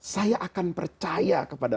saya akan percaya kepada